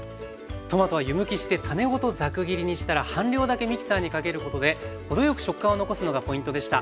トマトは湯むきして種ごとザク切りにしたら半量だけミキサーにかけることで程よく食感を残すのがポイントでした。